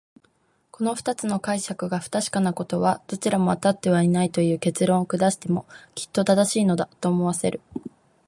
この二つの解釈が不確かなことは、どちらもあたってはいないという結論を下してもきっと正しいのだ、と思わせる。